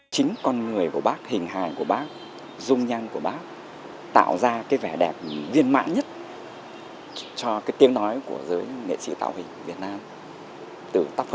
chính con người của bác hình hài của bác dung nhăn của bác